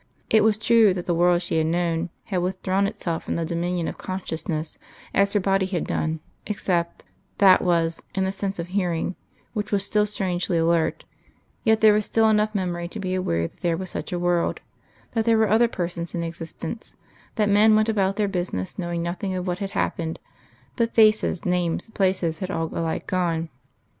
It was true that the world she had known had withdrawn itself from the dominion of consciousness, as her body had done, except, that was, in the sense of hearing, which was still strangely alert; yet there was still enough memory to be aware that there was such a world that there were other persons in existence; that men went about their business, knowing nothing of what had happened; but faces, names, places had all alike gone.